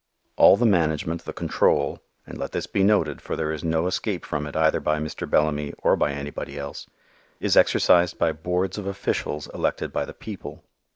All the management, the control and let this be noted, for there is no escape from it either by Mr. Bellamy or by anybody else is exercised by boards of officials elected by the people.